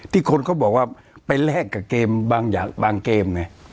ที่คนเขาบอกว่าไปแลกกับเกมบางอย่างบางเกมไง